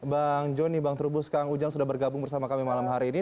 bang joni bang trubus kang ujang sudah bergabung bersama kami malam hari ini